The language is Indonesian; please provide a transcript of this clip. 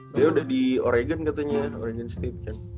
dia udah di oregon katanya oregon state kan